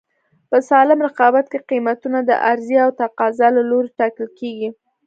په سالم رقابت کې قیمتونه د عرضې او تقاضا له لورې ټاکل کېږي.